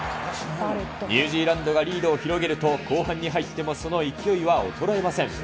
ニュージーランドがリードを広げると、後半に入ってもその勢いは衰えません。